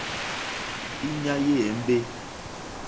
Íɲá jé ěmbé.